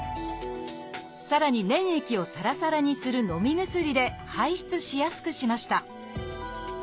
さらに粘液をサラサラにするのみ薬で排出しやすくしました。